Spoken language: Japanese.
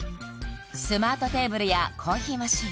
スマートテーブルやコーヒーマシン